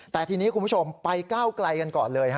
แต่ทีนี้คุณผู้ชมไปก้าวไกลกันก่อนเลย